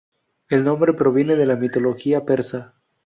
El nombre proviene de la mitología persa.